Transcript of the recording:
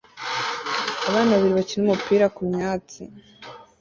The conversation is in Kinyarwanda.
Abana babiri bakina umupira kumyatsi